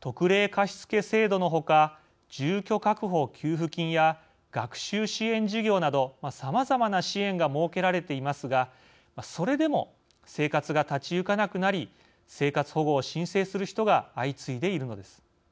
特例貸付制度のほか住居確保給付金や学習支援事業などさまざまな支援が設けられていますがそれでも生活が立ち行かなくなり生活保護を申請する人が相次いでいるのです。